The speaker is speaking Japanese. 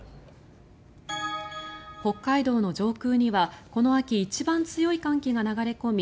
北海道の上空にはこの秋一番強い寒気が流れ込み